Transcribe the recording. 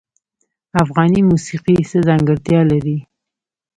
افغاني موسیقی څه ځانګړتیا لري؟